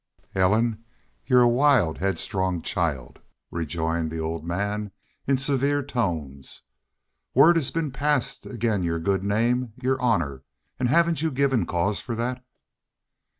"Ellen, you're a wild, headstrong child," rejoined the old man, in severe tones. "Word has been passed ag'in' your good name your honor.... An' hevn't you given cause fer thet?"